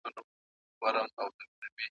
ډېر نیژدې وو چي له لوږي سر کړي ساندي .